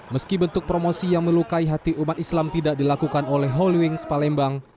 meski bentuk promosi yang melukai hati umat islam tidak dilakukan oleh holy wings palembang